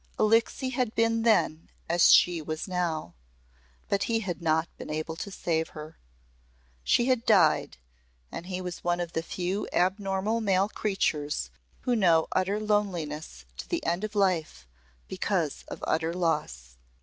Alixe had been then as she was now but he had not been able to save her. She had died and he was one of the few abnormal male creatures who know utter loneliness to the end of life because of utter loss.